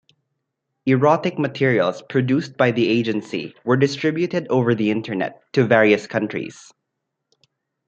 Erotic materials produced by the agency were distributed over the Internet to various countries.